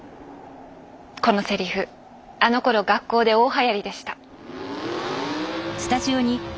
このセリフあのころ学校で大はやりでした。